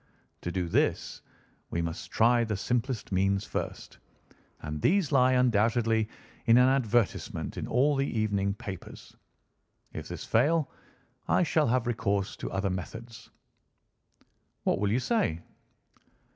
To do this, we must try the simplest means first, and these lie undoubtedly in an advertisement in all the evening papers. If this fail, I shall have recourse to other methods." "What will you say?"